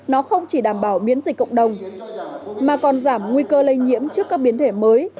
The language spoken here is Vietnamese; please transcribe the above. nó không chỉ đảm bảo biến dịch cộng đồng mà còn giảm nguy cơ lây nhiễm trước các biến thể mới